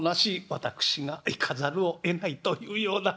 私が行かざるをえないというような」。